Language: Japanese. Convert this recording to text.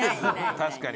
確かに。